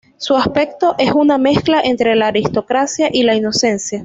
Su aspecto es una mezcla entre la aristocracia y la inocencia.